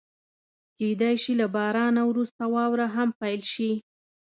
کېدای شي له بارانه وروسته واوره هم پيل شي.